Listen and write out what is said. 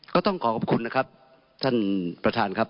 ก็ต้องขอขอบคุณนะครับท่านประธานครับ